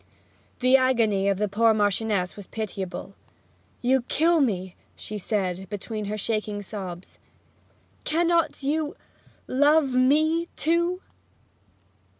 The agony of the poor Marchioness was pitiable. 'You kill me!' she said, between her shaking sobs. 'Cannot you love me too?'